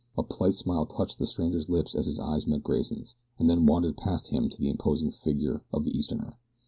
A polite smile touched the stranger's lips as his eyes met Grayson's, and then wandered past him to the imposing figure of the Easterner.